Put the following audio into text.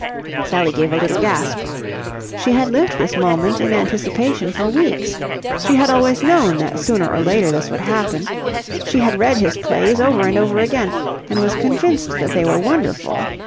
Sally gave a little gasp. She had lived this moment in anticipation for weeks. She had always known that sooner or later this would happen. She had read his plays over and over again, and was convinced that they were wonderful.